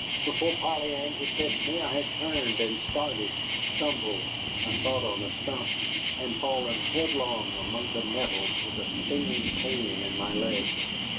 Before Polly Ann could catch me I had turned and started, stumbled, I thought on a stump, and fallen headlong among the nettles with a stinging pain in my leg.